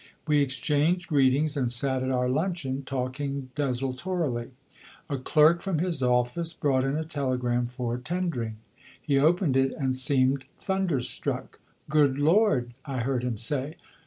We exchanged greetings and sat at our luncheon, talking desultorily. A clerk from his office brought in a telegram for Tendring. He opened it and seemed thunder struck. "Good Lord!" I heard him say.